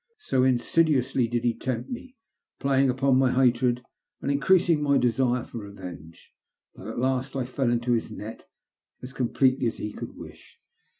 So insidu ously did he tempt me, playing upon my hatred and increasing my desire for revenge, that at last I fell into his net as completely as he could wish.